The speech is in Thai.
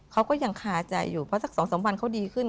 เขาก็ยังคาใจอยู่เพราะสัก๒๓วันเขาดีขึ้น